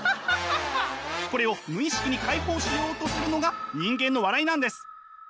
これを無意識に解放しようとするのが人間の笑いなんです。